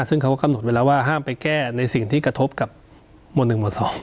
ซึ่งเขาก็กำหนดไว้แล้วว่าห้ามไปแก้ในสิ่งที่กระทบกับหมวด๑หมวด๒